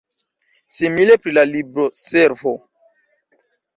Simile pri la libroservo.